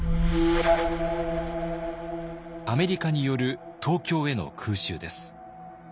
アメリカによる東京への空襲です。